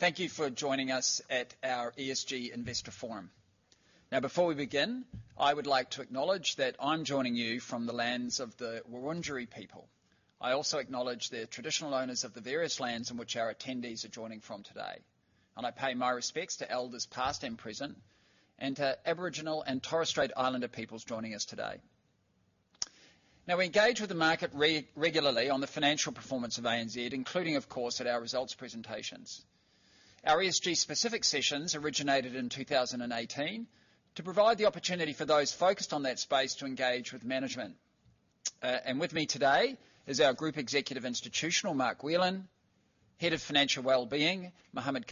Thank you for joining us at our ESG Investor Forum. Before we begin, I would like to acknowledge that I'm joining you from the lands of the Wurundjeri people. I also acknowledge the traditional owners of the various lands in which our attendees are joining from today, and I pay my respects to elders, past and present, and to Aboriginal and Torres Strait Islander peoples joining us today. We engage with the market regularly on the financial performance of ANZ, including, of course, at our results presentations. Our ESG-specific sessions originated in 2018 to provide the opportunity for those focused on that space to engage with management. With me today is our Group Executive, Institutional, Mark Whelan, Head of Financial Wellbeing, Mohammed.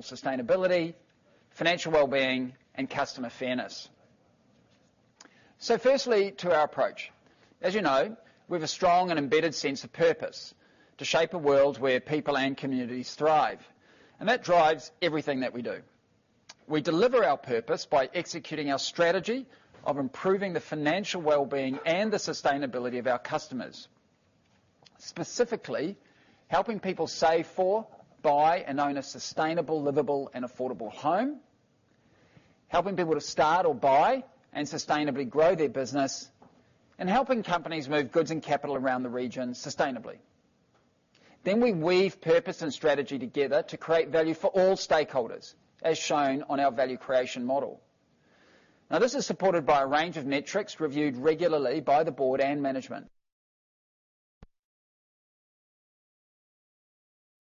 Sustainability, financial wellbeing, and customer fairness. Firstly, to our approach. As you know, we have a strong and embedded sense of purpose: to shape a world where people and communities thrive, and that drives everything that we do. We deliver our purpose by executing our strategy of improving the financial wellbeing and the sustainability of our customers. Specifically, helping people save for, buy, and own a sustainable, livable, and affordable home, helping people to start or buy and sustainably grow their business, and helping companies move goods and capital around the region sustainably. We weave purpose and strategy together to create value for all stakeholders, as shown on our value creation model. This is supported by a range of metrics reviewed regularly by the board and management.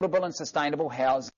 Livable and sustainable housing.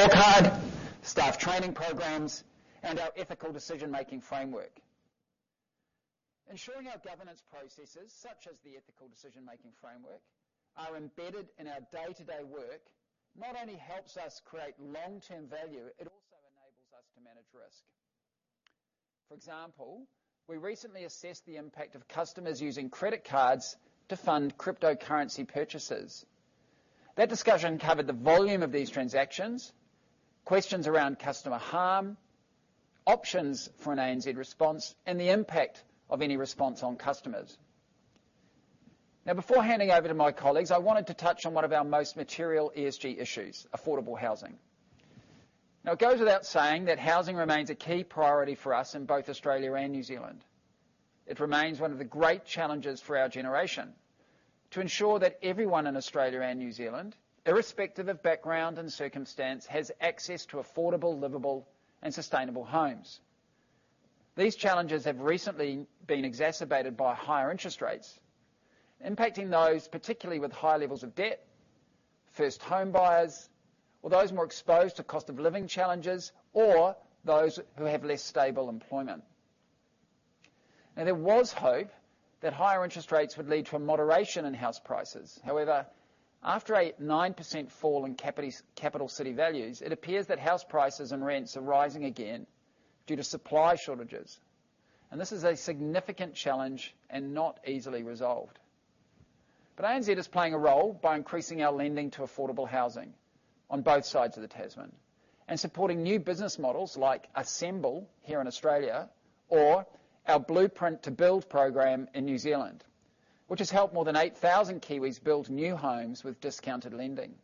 Scorecard, staff training programs, and our Ethical Decision-Making Framework. Ensuring our governance processes, such as the ethical decision-making framework, are embedded in our day-to-day work, not only helps us create long-term value, it also enables us to manage risk. For example, we recently assessed the impact of customers using credit cards to fund cryptocurrency purchases. That discussion covered the volume of these transactions, questions around customer harm, options for an ANZ response, and the impact of any response on customers. Before handing over to my colleagues, I wanted to touch on one of our most material ESG issues, affordable housing. It goes without saying that housing remains a key priority for us in both Australia and New Zealand. It remains one of the great challenges for our generation to ensure that everyone in Australia and New Zealand, irrespective of background and circumstance, has access to affordable, livable, and sustainable homes. These challenges have recently been exacerbated by higher interest rates, impacting those, particularly with high levels of debt, first homebuyers, or those more exposed to cost of living challenges, or those who have less stable employment. There was hope that higher interest rates would lead to a moderation in house prices. After a 9% fall in capital city values, it appears that house prices and rents are rising again due to supply shortages, and this is a significant challenge and not easily resolved. ANZ is playing a role by increasing our lending to affordable housing on both sides of the Tasman and supporting new business models like Assemble here in Australia or our Blueprint to Build program in New Zealand, which has helped more than 8,000 Kiwis build new homes with discounted lending.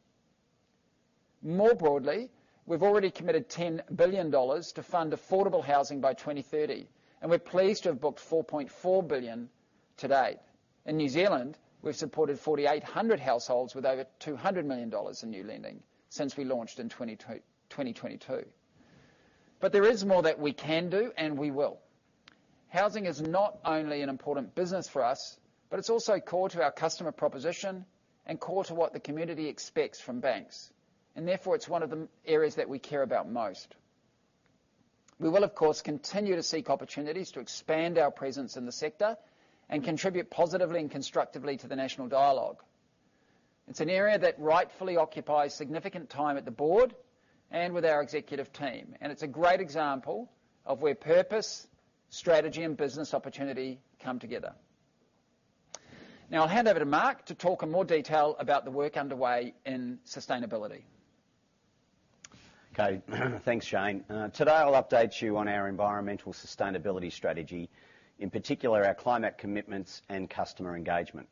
More broadly, we've already committed $10 billion to fund affordable housing by 2030, and we're pleased to have booked $4.4 billion to date. In New Zealand, we've supported 4,800 households with over 200 million dollars in new lending since we launched in 2022. There is more that we can do, and we will. Housing is not only an important business for us, but it's also core to our customer proposition and core to what the community expects from banks, and therefore, it's one of the areas that we care about most. We will, of course, continue to seek opportunities to expand our presence in the sector and contribute positively and constructively to the national dialogue. It's an area that rightfully occupies significant time at the board and with our executive team, and it's a great example of where purpose, strategy, and business opportunity come together. I'll hand over to Mark to talk in more detail about the work underway in sustainability. Okay. Thanks, Shayne. Today, I'll update you on our environmental sustainability strategy, in particular, our climate commitments and customer engagement.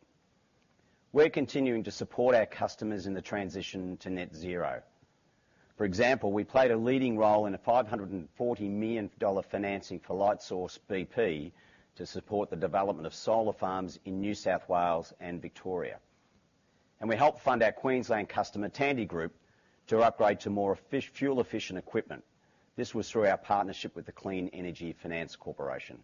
We're continuing to support our customers in the transition to net zero. For example, we played a leading role in an 540 million dollar financing for Lightsource bp to support the development of solar farms in New South Wales and Victoria. We helped fund our Queensland customer, Tandy Group, to upgrade to more fuel-efficient equipment. This was through our partnership with the Clean Energy Finance Corporation.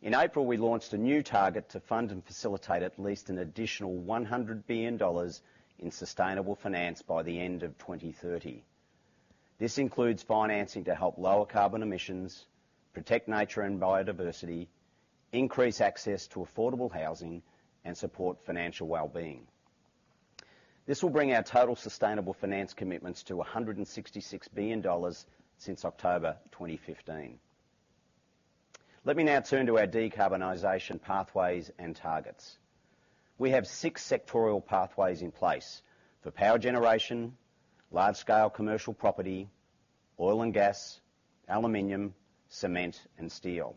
In April, we launched a new target to fund and facilitate at least an additional 100 billion dollars in sustainable finance by the end of 2030. This includes financing to help lower carbon emissions, protect nature and biodiversity, increase access to affordable housing, and support financial well-being. This will bring our total sustainable finance commitments to 166 billion dollars since October 2015. Let me now turn to our decarbonization pathways and targets. We have six sectoral pathways in place for power generation, large-scale commercial property, oil and gas, aluminum, cement, and steel.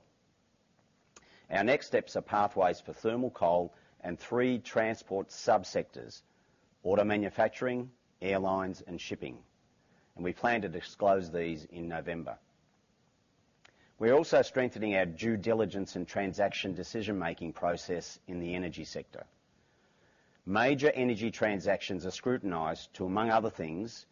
Our next steps are pathways for thermal coal and three transport subsectors: auto manufacturing, airlines, and shipping. We plan to disclose these in November. We're also strengthening our due diligence and transaction decision-making process in the energy sector. Major energy transactions are scrutinized to, among other things,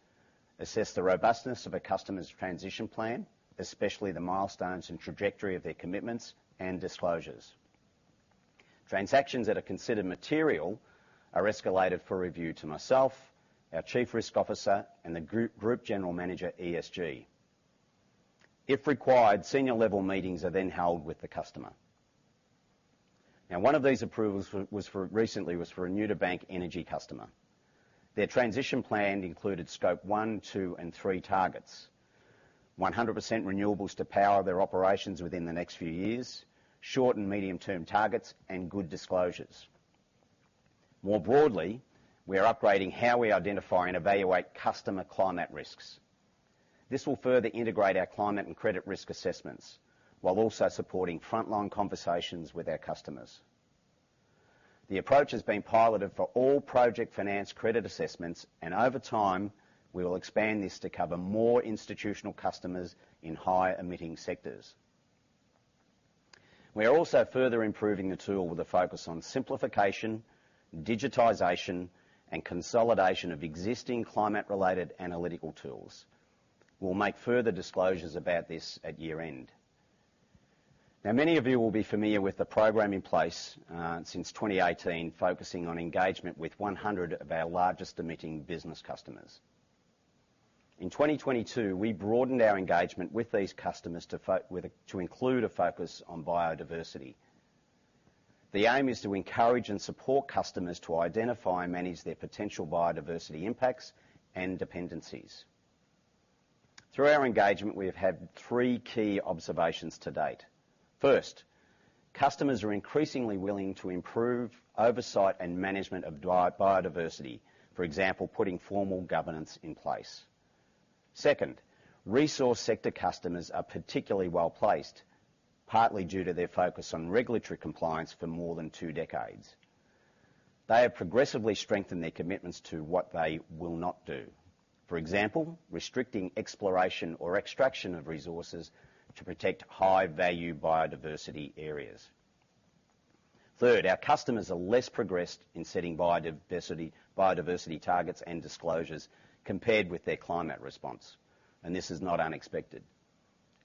assess the robustness of a customer's transition plan, especially the milestones and trajectory of their commitments and disclosures. Transactions that are considered material are escalated for review to myself, our chief risk officer, and the Group General Manager, ESG. If required, senior-level meetings are then held with the customer. One of these approvals was for recently a new-to-bank energy customer. Their transition plan included Scope 1, 2, and 3 targets, 100% renewables to power their operations within the next few years, short and medium-term targets, and good disclosures. More broadly, we are upgrading how we identify and evaluate customer climate risks. This will further integrate our climate and credit risk assessments, while also supporting frontline conversations with our customers. The approach has been piloted for all project finance credit assessments. Over time, we will expand this to cover more institutional customers in high-emitting sectors. We are also further improving the tool with a focus on simplification, digitization, and consolidation of existing climate-related analytical tools. We'll make further disclosures about this at year-end. Many of you will be familiar with the program in place, since 2018, focusing on engagement with 100 of our largest emitting business customers. In 2022, we broadened our engagement with these customers to include a focus on biodiversity. The aim is to encourage and support customers to identify and manage their potential biodiversity impacts and dependencies. Through our engagement, we have had three key observations to date. First, customers are increasingly willing to improve oversight and management of biodiversity. For example, putting formal governance in place. Second, resource sector customers are particularly well-placed, partly due to their focus on regulatory compliance for more than two decades. They have progressively strengthened their commitments to what they will not do. For example, restricting exploration or extraction of resources to protect high-value biodiversity areas. Third, our customers are less progressed in setting biodiversity targets and disclosures compared with their climate response. This is not unexpected.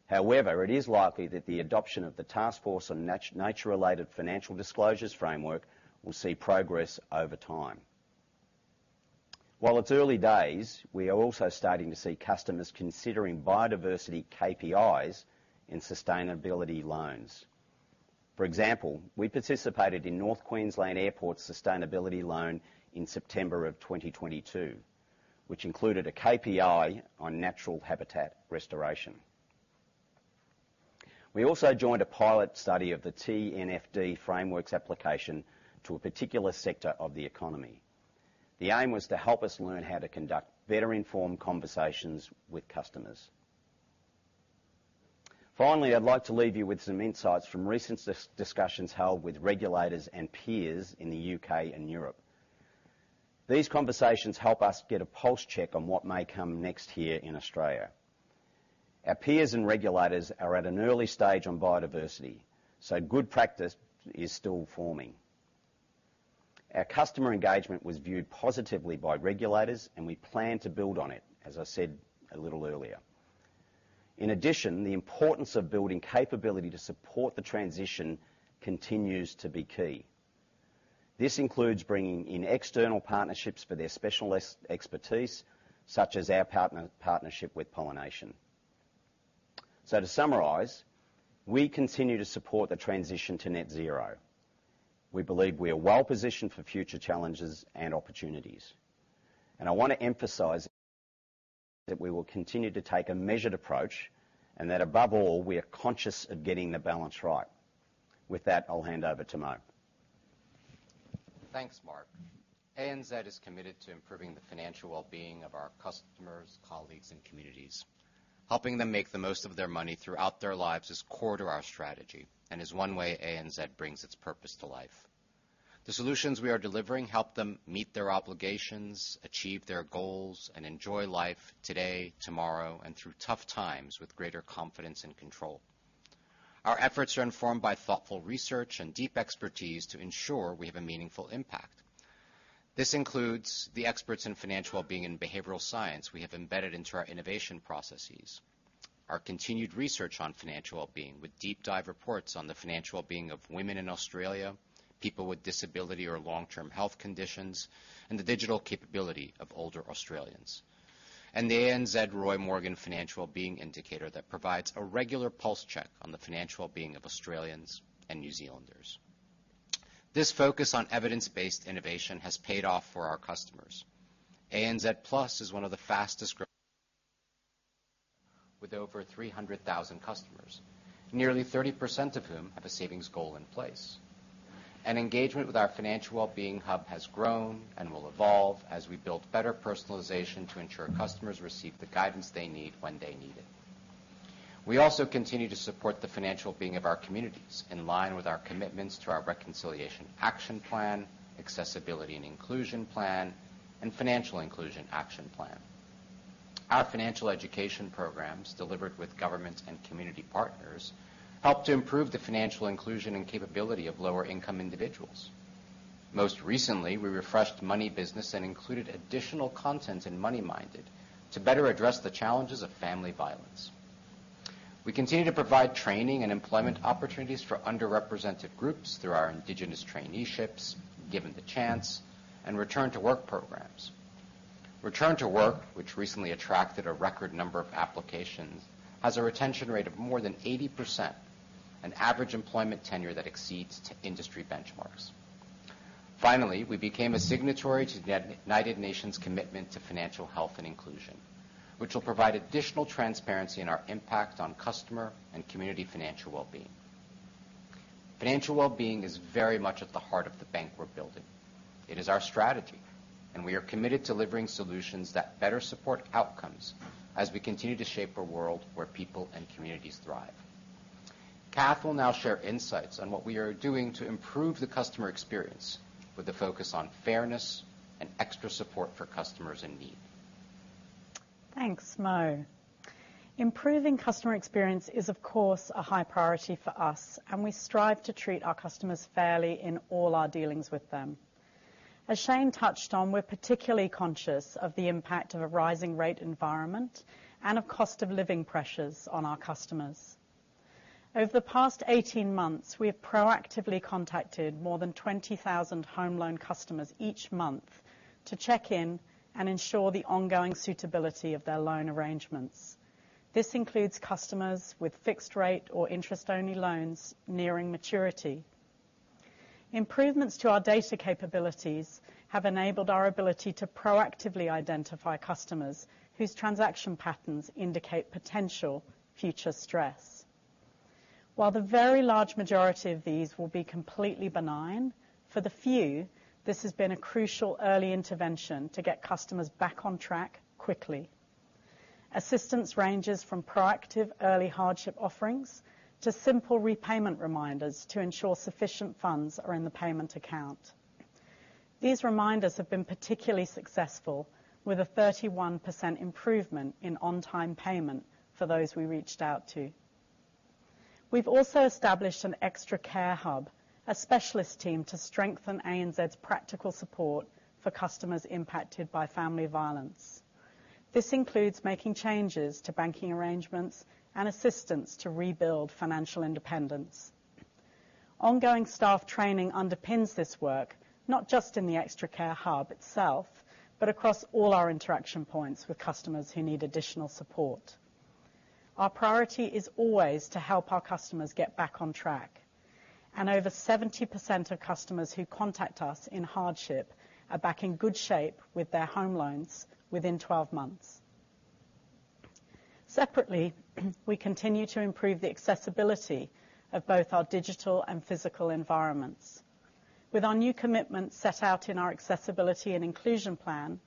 However, it is likely that the adoption of the Taskforce on Nature-related Financial Disclosures framework will see progress over time. While it's early days, we are also starting to see customers considering biodiversity KPIs in sustainability loans. For example, we participated in North Queensland Airports's sustainability loan in September of 2022, which included a KPI on natural habitat restoration. We also joined a pilot study of the TNFD frameworks application to a particular sector of the economy. The aim was to help us learn how to conduct better-informed conversations with customers. Finally, I'd like to leave you with some insights from recent discussions held with regulators and peers in the U.K. and Europe. These conversations help us get a pulse check on what may come next here in Australia. Our peers and regulators are at an early stage on biodiversity, so good practice is still forming. Our customer engagement was viewed positively by regulators, and we plan to build on it, as I said a little earlier. In addition, the importance of building capability to support the transition continues to be key. This includes bringing in external partnerships for their specialist expertise, such as our partnership with Pollination. To summarize, we continue to support the transition to net zero. We believe we are well positioned for future challenges and opportunities, and I want to emphasize that we will continue to take a measured approach, and that above all, we are conscious of getting the balance right. With that, I'll hand over to Mo. Thanks, Mark. ANZ is committed to improving the Financial Wellbeing of our customers, colleagues, and communities. Helping them make the most of their money throughout their lives is core to our strategy and is one way ANZ brings its purpose to life. The solutions we are delivering help them meet their obligations, achieve their goals, and enjoy life today, tomorrow, and through tough times with greater confidence and control. Our efforts are informed by thoughtful research and deep expertise to ensure we have a meaningful impact. This includes the experts in Financial Wellbeing and behavioral science we have embedded into our innovation processes. Our continued research on Financial Wellbeing, with deep dive reports on the Financial Wellbeing of women in Australia, people with disability or long-term health conditions, and the digital capability of older Australians. The ANZ Roy Morgan Financial Wellbeing Indicator that provides a regular pulse check on the financial wellbeing of Australians and New Zealanders. This focus on evidence-based innovation has paid off for our customers. ANZ Plus is one of the fastest-growing with over 300,000 customers, nearly 30% of whom have a savings goal in place. Engagement with our Financial Wellbeing Hub has grown and will evolve as we build better personalization to ensure customers receive the guidance they need when they need it. We also continue to support the financial wellbeing of our communities, in line with our commitments to our Reconciliation Action Plan, Accessibility and Inclusion Plan, and Financial Inclusion Action Plan. Our financial education programs, delivered with government and community partners, help to improve the financial inclusion and capability of lower-income individuals. Most recently, we refreshed Money Business and included additional content in MoneyMinded to better address the challenges of family violence. We continue to provide training and employment opportunities for underrepresented groups through our Indigenous Traineeships, Given the Chance, and Return to Work programs. Return to Work, which recently attracted a record number of applications, has a retention rate of more than 80%, an average employment tenure that exceeds to industry benchmarks. Finally, we became a signatory to the United Nations Commitment to Financial Health and Inclusion, which will provide additional transparency in our impact on customer and community financial wellbeing. Financial wellbeing is very much at the heart of the bank we're building. It is our strategy, and we are committed to delivering solutions that better support outcomes as we continue to shape a world where people and communities thrive. Kath will now share insights on what we are doing to improve the customer experience, with a focus on fairness and extra support for customers in need. Thanks, Mo. Improving customer experience is, of course, a high priority for us, and we strive to treat our customers fairly in all our dealings with them. As Shayne touched on, we're particularly conscious of the impact of a rising rate environment and of cost of living pressures on our customers. Over the past 18 months, we have proactively contacted more than 20,000 home loan customers each month to check in and ensure the ongoing suitability of their loan arrangements. This includes customers with fixed rate or interest-only loans nearing maturity. Improvements to our data capabilities have enabled our ability to proactively identify customers whose transaction patterns indicate potential future stress. While the very large majority of these will be completely benign, for the few, this has been a crucial early intervention to get customers back on track quickly. Assistance ranges from proactive early hardship offerings to simple repayment reminders to ensure sufficient funds are in the payment account. These reminders have been particularly successful, with a 31% improvement in on-time payment for those we reached out to. We've also established an Extra Care Hub, a specialist team to strengthen ANZ's practical support for customers impacted by family violence. This includes making changes to banking arrangements and assistance to rebuild financial independence. Ongoing staff training underpins this work, not just in the Extra Care Hub itself, but across all our interaction points with customers who need additional support. Our priority is always to help our customers get back on track. Over 70% of customers who contact us in hardship are back in good shape with their home loans within 12 months. Separately, we continue to improve the accessibility of both our digital and physical environments. With our new commitment set out in our Accessibility and Inclusion Plan,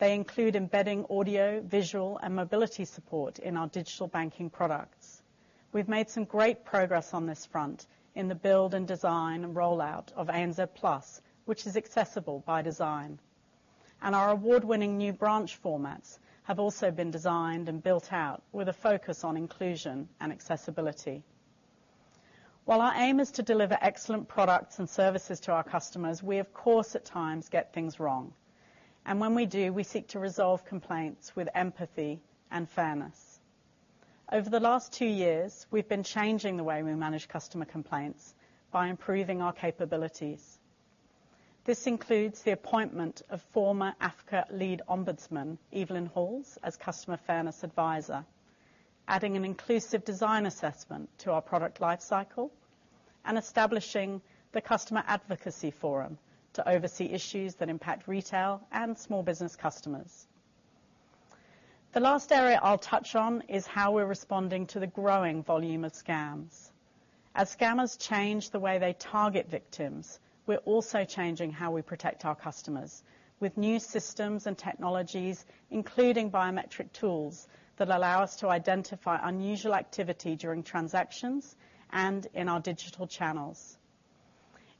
they include embedding audio, visual, and mobility support in our digital banking products. We've made some great progress on this front in the build and design and rollout of ANZ Plus, which is accessible by design. Our award-winning new branch formats have also been designed and built out with a focus on inclusion and accessibility. While our aim is to deliver excellent products and services to our customers, we, of course, at times get things wrong. When we do, we seek to resolve complaints with empathy and fairness. Over the last two years, we've been changing the way we manage customer complaints by improving our capabilities. This includes the appointment of former AFCA Lead Ombudsman, Evelyn Halls, as Customer Fairness Advisor, adding an inclusive design assessment to our product life cycle, and establishing the Customer Advocacy Forum to oversee issues that impact retail and small business customers. The last area I'll touch on is how we're responding to the growing volume of scams. As scammers change the way they target victims, we're also changing how we protect our customers with new systems and technologies, including biometric tools, that allow us to identify unusual activity during transactions and in our digital channels.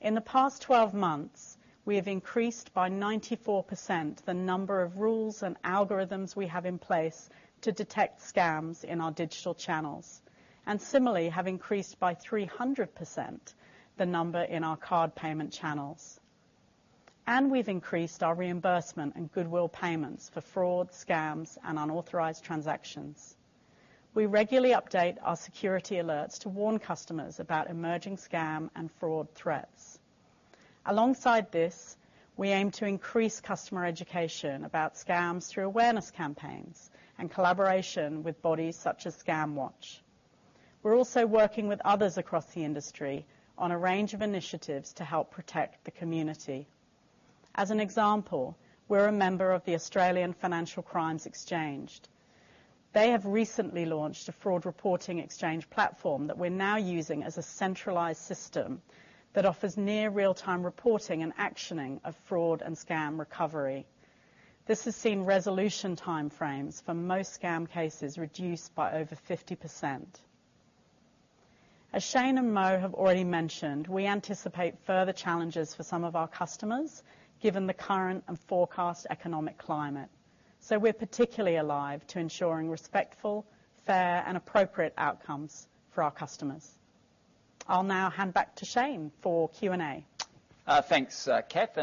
In the past 12 months, we have increased by 94% the number of rules and algorithms we have in place to detect scams in our digital channels, and similarly, have increased by 300% the number in our card payment channels. We've increased our reimbursement and goodwill payments for fraud, scams, and unauthorized transactions. We regularly update our security alerts to warn customers about emerging scam and fraud threats. Alongside this, we aim to increase customer education about scams through awareness campaigns and collaboration with bodies such as Scamwatch. We're also working with others across the industry on a range of initiatives to help protect the community. As an example, we're a member of the Australian Financial Crimes Exchange. They have recently launched a Fraud Reporting Exchange platform that we're now using as a centralized system that offers near real-time reporting and actioning of fraud and scam recovery. This has seen resolution time frames for most scam cases reduced by over 50%. As Shane and Mo have already mentioned, we anticipate further challenges for some of our customers, given the current and forecast economic climate. We're particularly alive to ensuring respectful, fair, and appropriate outcomes for our customers. I'll now hand back to Shane for Q&A. Thanks, Kath,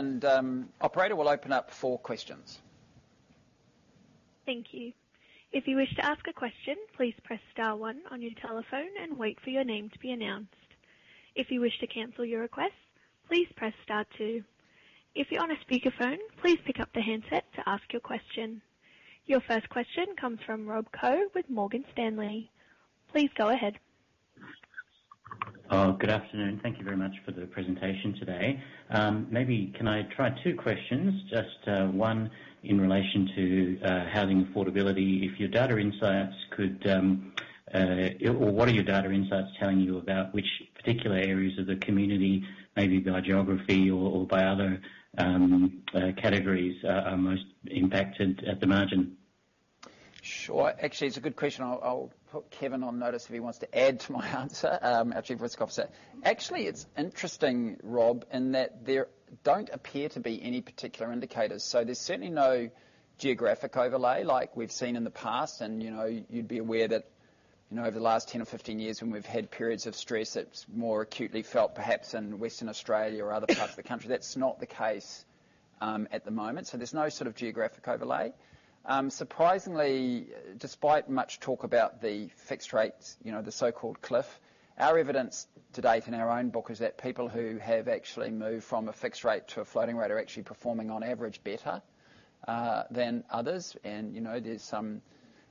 operator will open up for questions. Thank you. If you wish to ask a question, please press star one on your telephone and wait for your name to be announced. If you wish to cancel your request, please press star two. If you're on a speakerphone, please pick up the handset to ask your question. Your first question comes from Rob Koh with Morgan Stanley. Please go ahead. Good afternoon. Thank you very much for the presentation today. Maybe can I try two questions, just one in relation to housing affordability, if your data insights could or what are your data insights telling you about which particular areas of the community, maybe by geography or by other categories, are most impacted at the margin? Sure. Actually, it's a good question. I'll put Kevin on notice if he wants to add to my answer, our chief risk officer. Actually, it's interesting, Rob, in that there don't appear to be any particular indicators, so there's certainly no geographic overlay like we've seen in the past. You know, you'd be aware that, you know, over the last 10 or 15 years, when we've had periods of stress, it's more acutely felt, perhaps in Western Australia or other parts of the country. That's not the case at the moment, so there's no sort of geographic overlay. Surprisingly, despite much talk about the fixed rates, you know, the so-called cliff, our evidence to date, in our own book, is that people who have actually moved from a fixed rate to a floating rate are actually performing, on average, better than others. You know, there's some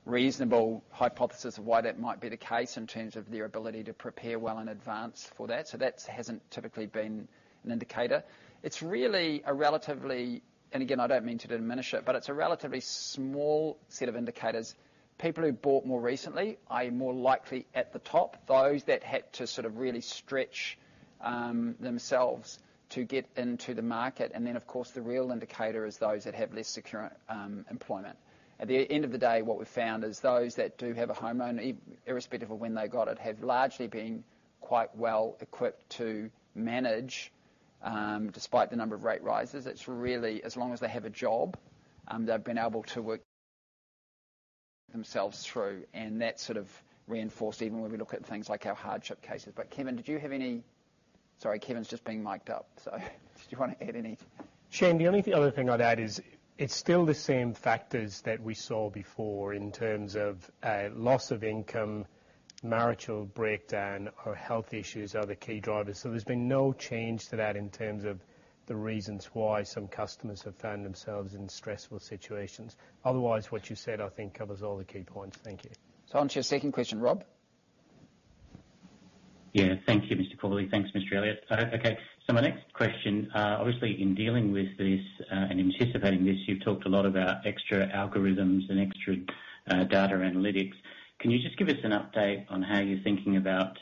reasonable hypothesis of why that might be the case in terms of their ability to prepare well in advance for that. That's hasn't typically been an indicator. It's really a relatively. Again, I don't mean to diminish it, but it's a relatively small set of indicators. People who bought more recently are more likely at the top, those that had to sort of really stretch themselves to get into the market. Then, of course, the real indicator is those that have less secure employment. At the end of the day, what we've found is those that do have a home owner, irrespective of when they got it, have largely been quite well equipped to manage despite the number of rate rises. It's really as long as they have a job, they've been able to work themselves through, and that's sort of reinforced even when we look at things like our hardship cases. Kevin, did you have any? Sorry, Kevin's just being micd up, so did you want to add any? Shayne, the only other thing I'd add is it's still the same factors that we saw before in terms of loss of income, marital breakdown or health issues are the key drivers. There's been no change to that in terms of the reasons why some customers have found themselves in stressful situations. Otherwise, what you said, I think, covers all the key points. Thank you. On to your second question, Rob? Yeah. Thank you, Mr. Corbally. Thanks, Mr. Elliott. Okay, my next question, obviously, in dealing with this, and anticipating this, you've talked a lot about extra algorithms and extra data analytics. Can you just give us an update on how you're thinking about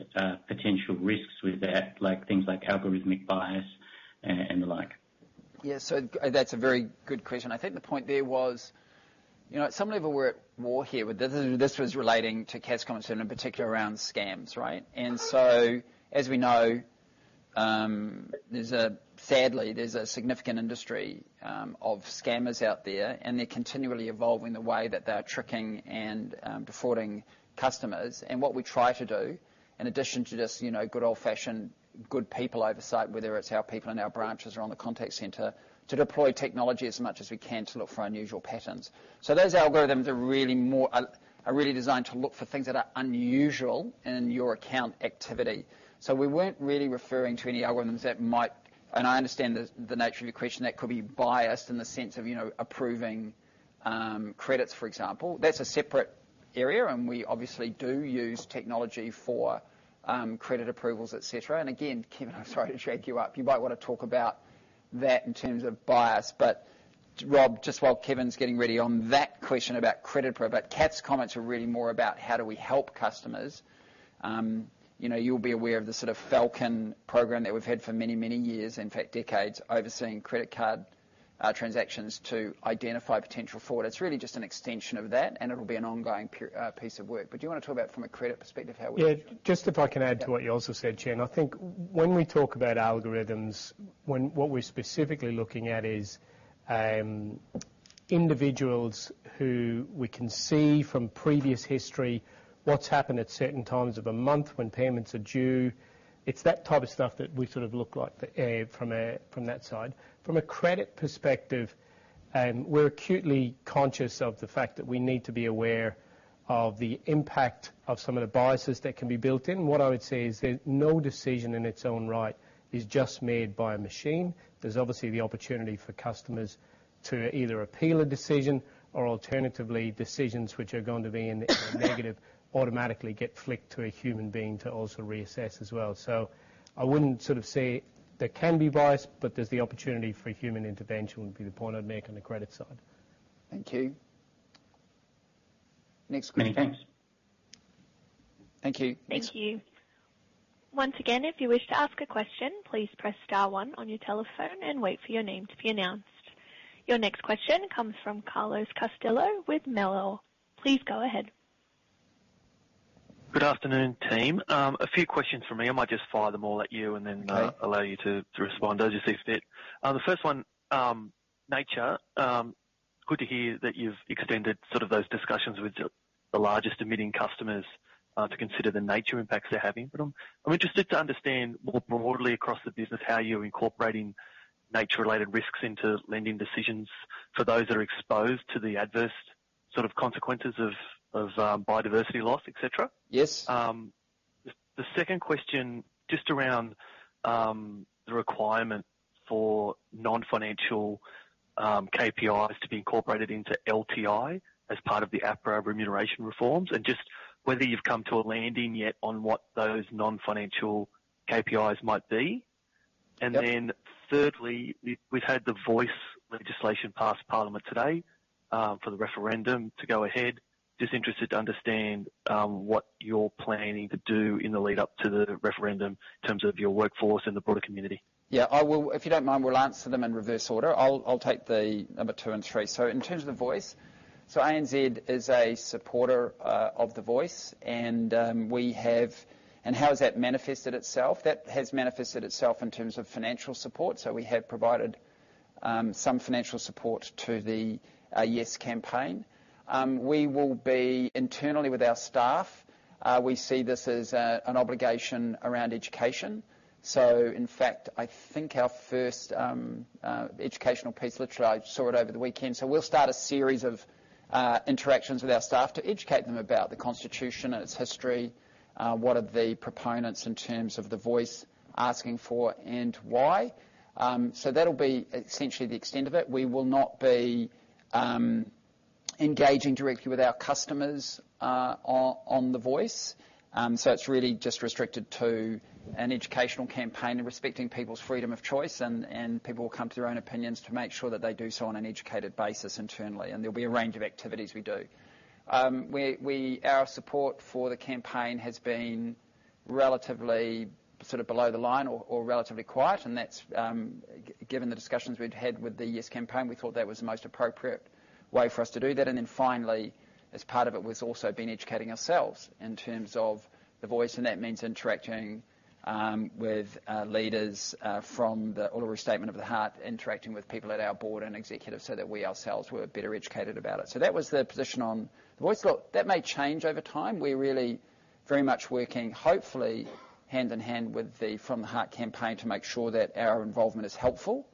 potential risks with that? Like, things like algorithmic bias and the like. Yeah, that's a very good question. I think the point there was, you know, at some level, we're at war here with this. This was relating to Kath's concern, in particular, around scams, right? As we know, sadly, there's a significant industry of scammers out there, and they're continually evolving the way that they are tricking and defrauding customers. What we try to do, in addition to just, you know, good old-fashioned, good people oversight, whether it's our people in our branches or on the contact center, to deploy technology as much as we can to look for unusual patterns. Those algorithms are really more, are really designed to look for things that are unusual in your account activity. We weren't really referring to any algorithms that might, I understand the nature of your question, that could be biased in the sense of, you know, approving credits, for example. That's a separate area, and we obviously do use technology for credit approvals, et cetera. Again, Kevin, I'm sorry to drag you up. You might want to talk about that in terms of bias. Rob, just while Kevin's getting ready on that question about credit approval, Kath's comments are really more about how do we help customers. You know, you'll be aware of the sort of Falcon program that we've had for many, many years, in fact, decades, overseeing credit card transactions to identify potential fraud. It's really just an extension of that, and it'll be an ongoing piece of work. Do you want to talk about it from a credit perspective, how we... Yeah. Just if I can add to what you also said, Shayne, I think when we talk about algorithms, what we're specifically looking at is individuals who we can see from previous history, what's happened at certain times of the month when payments are due. It's that type of stuff that we sort of look like from that side. From a credit perspective, we're acutely conscious of the fact that we need to be aware of the impact of some of the biases that can be built in. What I would say is that no decision, in its own right, is just made by a machine. There's obviously the opportunity for customers to either appeal a decision or alternatively, decisions which are going to be in the negative, automatically get flicked to a human being to also reassess as well. I wouldn't sort of say there can be bias, but there's the opportunity for human intervention, would be the point I'd make on the credit side. Thank you. Next question. Many thanks. Thank you. Thank you. Once again, if you wish to ask a question, please press star one on your telephone and wait for your name to be announced. Your next question comes from Carlos Costello with Merrill. Please go ahead. Good afternoon, team. A few questions from me. I might just fire them all at you Okay and allow you to respond, as you see fit. The first one, nature. Good to hear that you've extended sort of those discussions with the largest emitting customers, to consider the nature impacts they're having. But I'm interested to understand, more broadly across the business, how you're incorporating nature-related risks into lending decisions for those that are exposed to the adverse sort of consequences of biodiversity loss, et cetera. Yes. The second question, just around the requirement for non-financial KPIs to be incorporated into LTI as part of the APRA remuneration reforms, just whether you've come to a landing yet on what those non-financial KPIs might be? Yep. Thirdly, we've had the Voice legislation pass Parliament today, for the referendum to go ahead. Just interested to understand, what you're planning to do in the lead up to the referendum in terms of your workforce and the broader community. Yeah, if you don't mind, we'll answer them in reverse order. I'll take the number two and three. In terms of the Voice, ANZ is a supporter of the Voice. How has that manifested itself? That has manifested itself in terms of financial support, so we have provided some financial support to the Yes campaign. We will be internally with our staff, we see this as an obligation around education. In fact, I think our first educational piece, literally I saw it over the weekend. We'll start a series of interactions with our staff to educate them about the Constitution and its history, what are the proponents in terms of the Voice asking for and why. That'll be essentially the extent of it. We will not be engaging directly with our customers on the Voice. It's really just restricted to an educational campaign and respecting people's freedom of choice, and people will come to their own opinions to make sure that they do so on an educated basis internally. There'll be a range of activities we do. Our support for the campaign has been relatively sort of below the line or relatively quiet, that's given the discussions we'd had with the Yes campaign, we thought that was the most appropriate way for us to do that. Finally, as part of it, was also been educating ourselves in terms of the Voice, and that means interacting with leaders from the Uluru Statement from the Heart, interacting with people at our board and executives, so that we ourselves were better educated about it. That was the position on the Voice. Look, that may change over time. We're really very much working, hopefully hand in hand with the From the Heart campaign, to make sure that our involvement is helpful.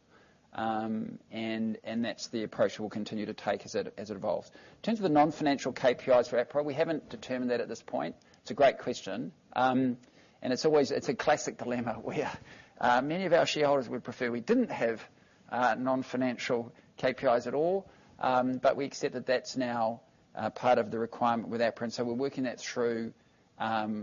And that's the approach we'll continue to take as it evolves. In terms of the non-financial KPIs for APRA, we haven't determined that at this point. It's a great question. And it's a classic dilemma where many of our shareholders would prefer we didn't have non-financial KPIs at all. We accept that that's now part of the requirement with our print, so we're working that through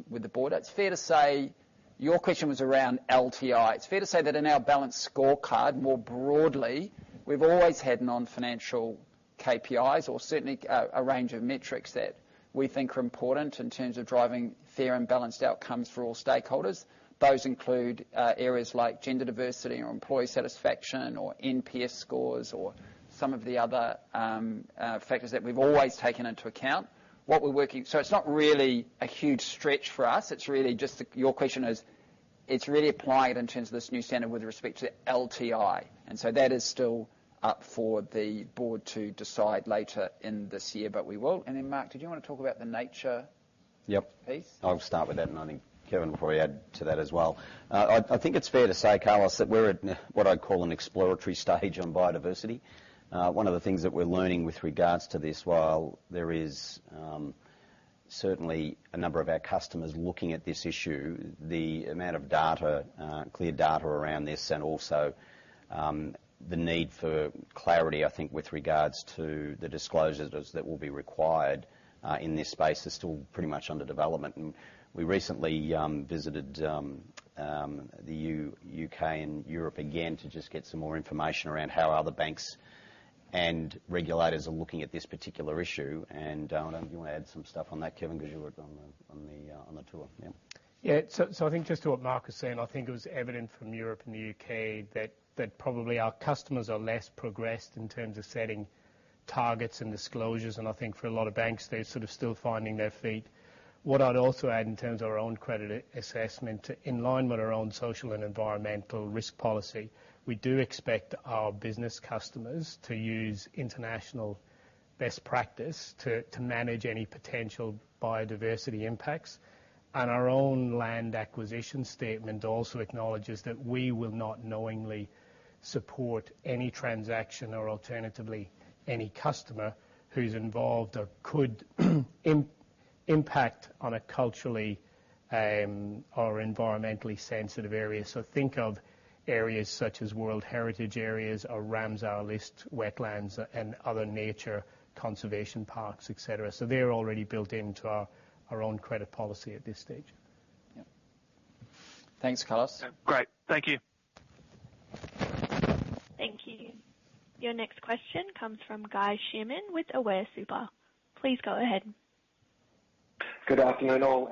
with the board. It's fair to say your question was around LTI. It's fair to say that in our balanced scorecard, more broadly, we've always had non-financial KPIs or certainly a range of metrics that we think are important in terms of driving fair and balanced outcomes for all stakeholders. Those include areas like gender diversity or employee satisfaction or NPS scores, or some of the other factors that we've always taken into account. It's not really a huge stretch for us. It's really just, your question is, it's really applied in terms of this new standard with respect to LTI. That is still up for the board to decide later in this year, we will. Mark, did you want to talk about the nature? Yep. Piece? I'll start with that, and I think Kevin will probably add to that as well. I think it's fair to say, Carlos, that we're at what I'd call an exploratory stage on biodiversity. One of the things that we're learning with regards to this, while there is, certainly a number of our customers looking at this issue, the amount of data, clear data around this, and also, the need for clarity, I think, with regards to the disclosures that will be required, in this space, is still pretty much under development. We recently visited the U.K. and Europe again, to just get some more information around how other banks and regulators are looking at this particular issue. Do you want to add some stuff on that, Kevin, because you were on the tour? Yeah. I think just to what Mark is saying, I think it was evident from Europe and the U.K that probably our customers are less progressed in terms of setting targets and disclosures. I think for a lot of banks, they're sort of still finding their feet. What I'd also add in terms of our own credit assessment, to in line with our own Social and Environmental Risk Policy, we do expect our business customers to use international best practice to manage any potential biodiversity impacts. Our own Land Acquisition Statement also acknowledges that we will not knowingly support any transaction or alternatively, any customer who's involved or could impact on a culturally or environmentally sensitive area. Think of areas such as world heritage areas or Ramsar List wetlands and other nature conservation parks, et cetera. They're already built into our own credit policy at this stage. Yeah. Thanks, Carlos. Great. Thank you. Thank you. Your next question comes from Guy Shearman with Aware Super. Please go ahead. Good afternoon, all,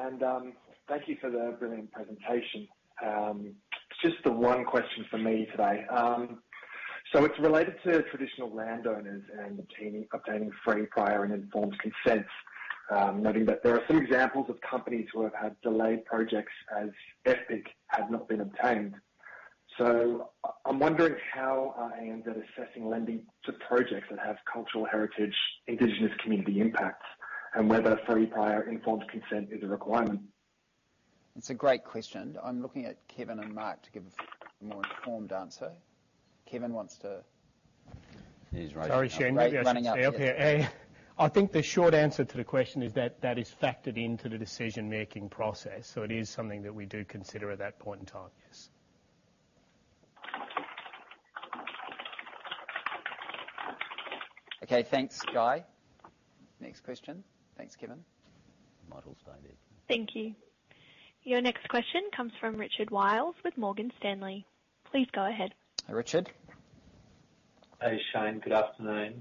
thank you for the brilliant presentation. Just the one question for me today. It's related to traditional landowners and obtaining Free, Prior and Informed Consent. Noting that there are some examples of companies who have had delayed projects as FPIC had not been obtained. I'm wondering how ANZ is assessing lending to projects that have cultural heritage, Indigenous community impacts, and whether free, prior, informed consent is a requirement? It's a great question. I'm looking at Kevin and Mark to give a more informed answer. Kevin, He's right. Sorry, Shane. Running up. Okay. I think the short answer to the question is that that is factored into the decision-making process. It is something that we do consider at that point in time. Yes. Okay. Thanks, Guy. Next question. Thanks, Kevin. Model stated. Thank you. Your next question comes from Richard Wiles with Morgan Stanley. Please go ahead. Hi, Richard. Hey, Shayne. Good afternoon.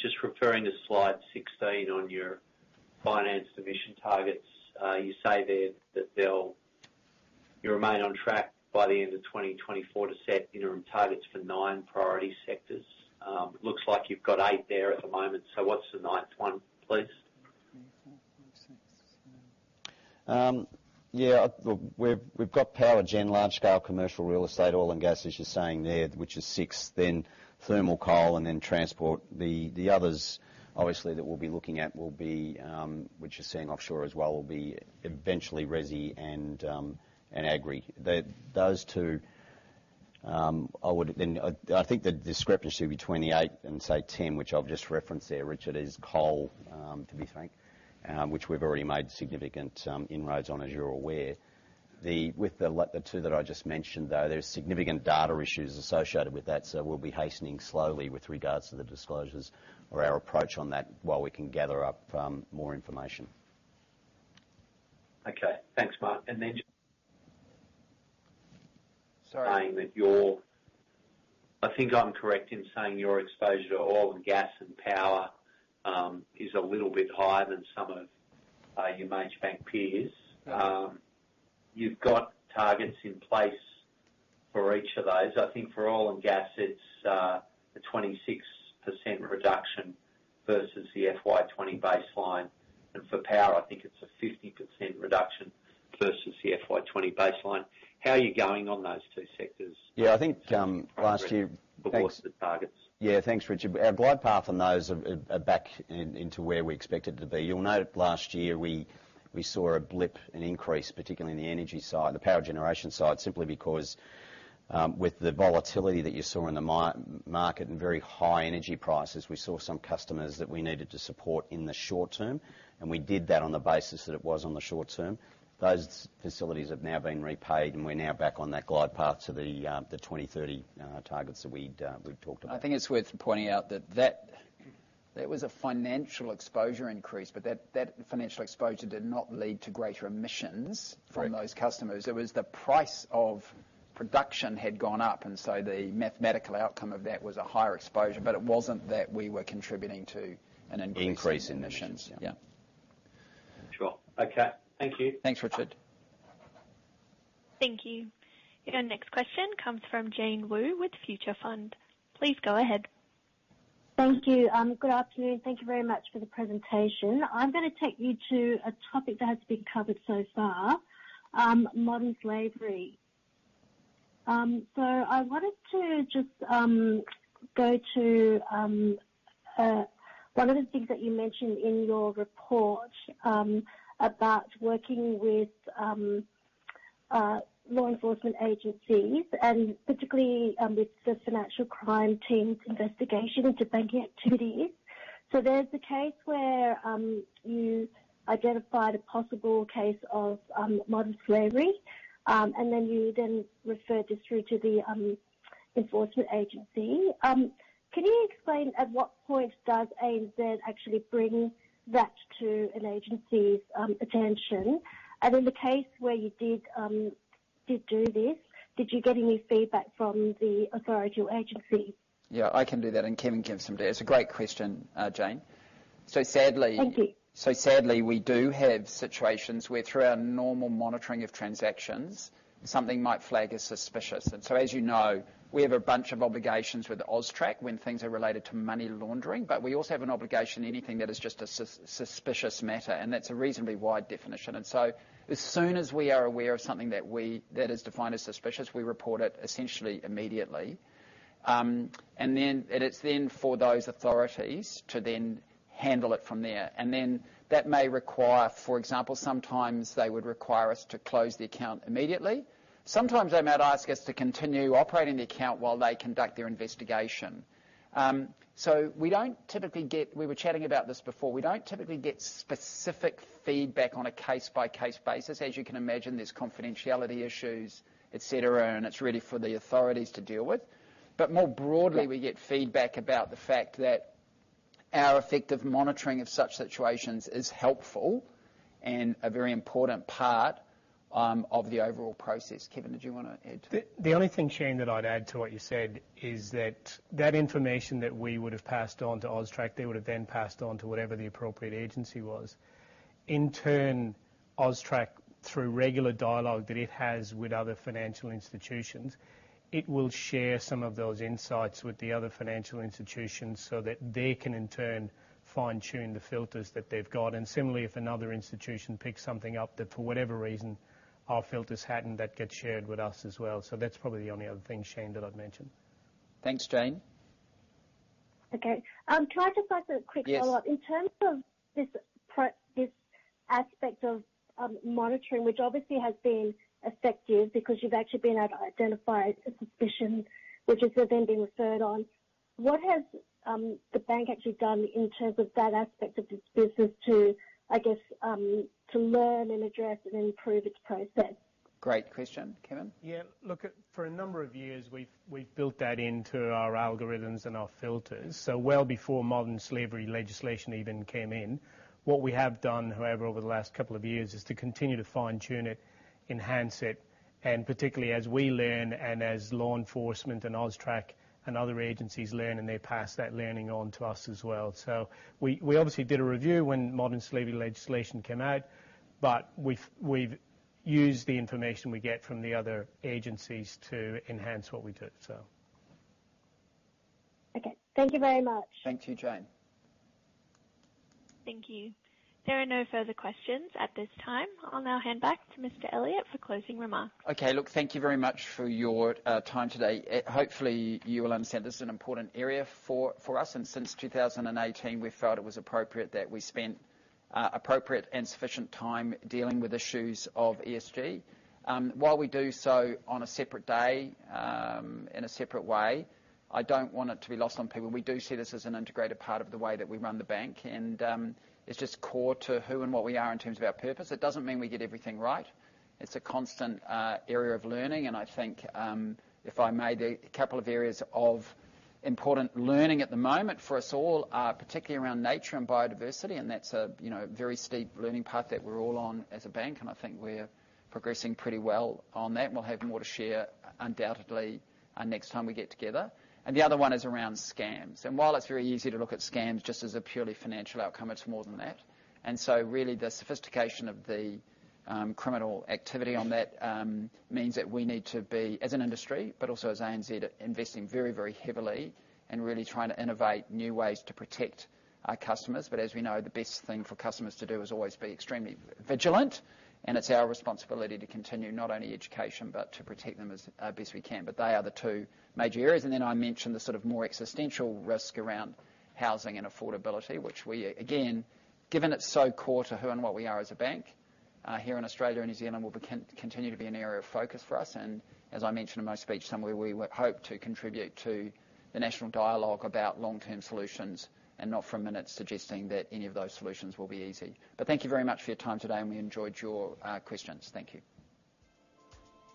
Just referring to slide 16 on your finance division targets. You say there that you remain on track by the end of 2024 to set interim targets for nine priority sectors. Looks like you've got eight there at the moment. What's the ninth one, please? Three, four, five, six, seven. Yeah, look, we've got power gen, large scale commercial real estate, oil and gas, as you're saying there, which is six, then thermal coal and then transport. The others, obviously, that we'll be looking at will be, which you're seeing offshore as well, will be eventually resi and agri. Those two. Then, I think the discrepancy between eight and, say, 10, which I've just referenced there, Richard, is coal, to be frank, which we've already made significant inroads on, as you're aware. With the two that I just mentioned, though, there's significant data issues associated with that, so we'll be hastening slowly with regards to the disclosures or our approach on that, while we can gather up more information. Okay. Thanks, Mark. Sorry. Saying that I think I'm correct in saying your exposure to oil and gas and power, is a little bit higher than some of your major bank peers. Yeah. You've got targets in place for each of those. I think for oil and gas, it's a 26% reduction versus the FY20 baseline, and for power, I think it's a 50% reduction versus the FY 2020 baseline. How are you going on those two sectors? Yeah, I think, last year. What are the targets? Thanks, Richard. Our glide path on those are back into where we expect it to be. You'll note last year we saw a blip, an increase, particularly in the energy side, the power generation side, simply because with the volatility that you saw in the market and very high energy prices, we saw some customers that we needed to support in the short term, and we did that on the basis that it was on the short term. Those facilities have now been repaid, we're now back on that glide path to the 2030 targets that we've talked about. I think it's worth pointing out that. There was a financial exposure increase, but that financial exposure did not lead to greater emissions from those customers. It was the price of production had gone up, and so the mathematical outcome of that was a higher exposure, but it wasn't that we were contributing to an increase. Increase in emissions. Yeah. Yeah. Sure. Okay. Thank you. Thanks, Richard. Thank you. Your next question comes from Jane Wu with Future Fund. Please go ahead. Thank you. Good afternoon. Thank you very much for the presentation. I'm going to take you to a topic that has been covered so far, modern slavery. I wanted to just go to one of the things that you mentioned in your report about working with law enforcement agencies, and particularly with the financial crime team's investigation into banking activities. There's the case where you identified a possible case of modern slavery, and then you then referred this through to the enforcement agency. Can you explain, at what point does ANZ actually bring that to an agency's attention? In the case where you did do this, did you get any feedback from the authorital agency? Yeah, I can do that, and Kevin can give some data. It's a great question, Jane. Thank you. Sadly, we do have situations where, through our normal monitoring of transactions, something might flag as suspicious. As you know, we have a bunch of obligations with AUSTRAC when things are related to money laundering, but we also have an obligation, anything that is just a suspicious matter, and that's a reasonably wide definition. As soon as we are aware of something that is defined as suspicious, we report it essentially immediately. It is then for those authorities to then handle it from there. That may require, for example, sometimes they would require us to close the account immediately. Sometimes they might ask us to continue operating the account while they conduct their investigation. We were chatting about this before. We don't typically get specific feedback on a case-by-case basis. As you can imagine, there's confidentiality issues, et cetera, it's really for the authorities to deal with. More broadly, we get feedback about the fact that our effective monitoring of such situations is helpful and a very important part of the overall process. Kevin, did you want to add? The only thing, Shayne, that I'd add to what you said, is that information that we would have passed on to AUSTRAC, they would have then passed on to whatever the appropriate agency was. In turn, AUSTRAC, through regular dialogue that it has with other financial institutions, it will share some of those insights with the other financial institutions so that they can, in turn, fine-tune the filters that they've got. Similarly, if another institution picks something up that for whatever reason, our filters hadn't, that gets shared with us as well. That's probably the only other thing, Shayne, that I'd mention. Thanks, Jane. Can I just ask a quick follow-up? Yes. In terms of this aspect of monitoring, which obviously has been effective because you've actually been able to identify a suspicion which has then been referred on, what has the bank actually done in terms of that aspect of this business to, I guess, to learn and address and improve its process? Great question. Kevin? Yeah. Look, for a number of years, we've built that into our algorithms and our filters, well before modern slavery legislation even came in. What we have done, however, over the last couple of years, is to continue to fine-tune it, enhance it, and particularly as we learn and as law enforcement and AUSTRAC and other agencies learn, and they pass that learning on to us as well. We obviously did a review when modern slavery legislation came out, but we've used the information we get from the other agencies to enhance what we do, so. Okay. Thank you very much. Thank you, Jane. Thank you. There are no further questions at this time. I'll now hand back to Mr. Elliott for closing remarks. Look, thank you very much for your time today. Hopefully, you will understand this is an important area for us, and since 2018, we felt it was appropriate that we spent appropriate and sufficient time dealing with issues of ESG. While we do so on a separate day, in a separate way, I don't want it to be lost on people. We do see this as an integrated part of the way that we run the bank, and it's just core to who and what we are in terms of our purpose. It doesn't mean we get everything right. It's a constant area of learning, I think, if I made a couple of areas of important learning at the moment for us all, particularly around nature and biodiversity, and that's a, you know, very steep learning path that we're all on as a bank, I think we're progressing pretty well on that. We'll have more to share undoubtedly, next time we get together. The other one is around scams. While it's very easy to look at scams just as a purely financial outcome, it's more than that. Really, the sophistication of the criminal activity on that means that we need to be, as an industry, but also as ANZ, investing very, very heavily and really trying to innovate new ways to protect our customers. As we know, the best thing for customers to do is always be extremely vigilant, and it's our responsibility to continue not only education, but to protect them as best we can. They are the two major areas. I mentioned the sort of more existential risk around housing and affordability, which we, again, given it's so core to who and what we are as a bank, here in Australia and New Zealand, will continue to be an area of focus for us. As I mentioned in my speech somewhere, we hope to contribute to the national dialogue about long-term solutions, and not for a minute suggesting that any of those solutions will be easy. Thank you very much for your time today, and we enjoyed your questions. Thank you.